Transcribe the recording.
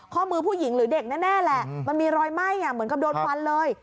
ข้อมือผู้หญิงหรือเด็กแน่แหละมันมีรอยไหม้เหมือนกับโดนฟันเลย